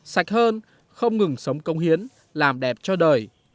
sạch hơn không ngừng sống công hiến làm đẹp cho đời